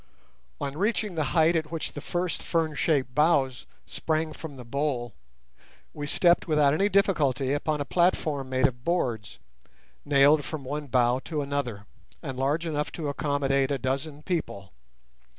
On reaching the height at which the first fern shaped boughs sprang from the bole, we stepped without any difficulty upon a platform made of boards, nailed from one bough to another, and large enough to accommodate a dozen people.